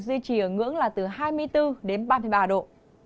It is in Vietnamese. duy trì ở ngưỡng là từ hai mươi bốn đến ba mươi ba độ